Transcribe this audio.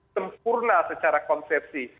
sempurna secara konsepsi